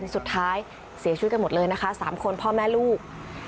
สุดท้ายเสียชีวิตกันหมดเลยนะคะ๓คนพ่อแม่ลูก